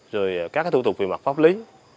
rồi các thủ thuật về mặt pháp lý